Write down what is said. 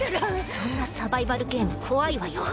そんなサバイバルゲーム怖いわよ。